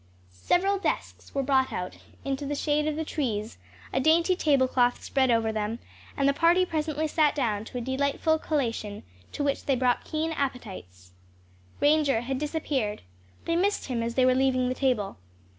Several desks were brought out into the shade of the trees, a dainty table cloth spread over them and the party presently sat down to a delightful collation, to which they brought keen appetites. Ranger had disappeared. They missed him as they were leaving the table.